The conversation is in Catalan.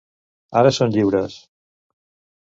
Ara són lliures.